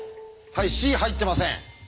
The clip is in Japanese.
はいＣ入ってません。